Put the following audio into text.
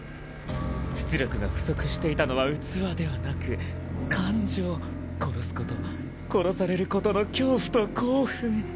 出力が不足していたのは器ではなく感情殺すこと殺されることの恐怖と興奮。